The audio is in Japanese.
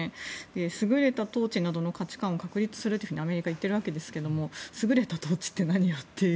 優れた統治などの価値観を確立するってアメリカは言っているわけですが優れた統治って何よという。